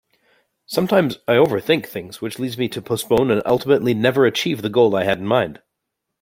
Sometimes I overthink things which leads me to postpone and ultimately never achieve the goal I had in mind.